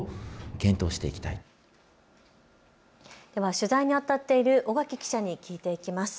取材にあたっている尾垣記者に聞いていきます。